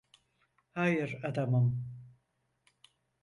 Hayır adamım.